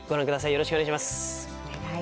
よろしくお願いします。